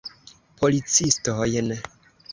Policistojn.